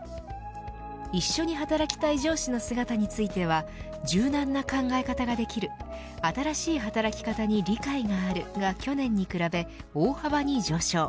一緒に働きたい上司の姿については柔軟な考え方ができる新しい働き方に理解があるが去年に比べ大幅に上昇。